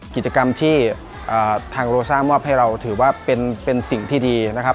กิจกรรมที่ทางโลซ่ามอบให้เราถือว่าเป็นสิ่งที่ดีนะครับ